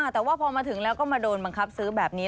แต่ว่าพอมาถึงแล้วก็มาโดนบังคับซื้อแบบนี้